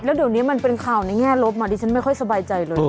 แล้วเดี๋ยวนี้มันเป็นข่าวในแง่ลบมาดิฉันไม่ค่อยสบายใจเลย